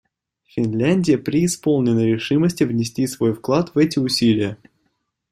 Финляндия преисполнена решимости внести свой вклад в эти усилия.